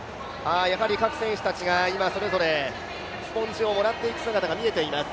やはり各選手たちが今、それぞれスポンジをもらっていく姿が見えています。